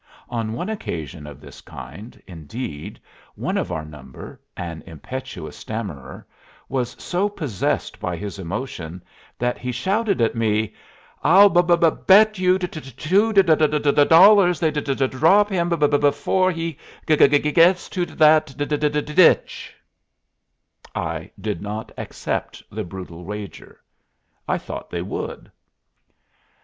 On one occasion of this kind, indeed, one of our number, an impetuous stammerer, was so possessed by his emotion that he shouted at me: "I'll b b bet you t two d d dollars they d drop him b b before he g gets to that d d ditch!" I did not accept the brutal wager; I thought they would.